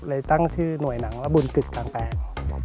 เลยตั้งชื่อหน่วยหนังระบุลกึกกางแปง